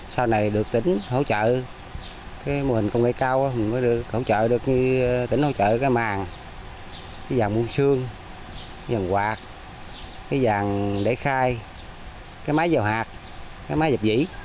sau này được tỉnh hỗ trợ mô hình công nghệ cao tỉnh hỗ trợ màng vàng muôn xương vàng quạt vàng để khai máy dầu hạt máy dập dĩ